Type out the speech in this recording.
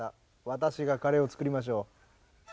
私がカレーを作りましょう。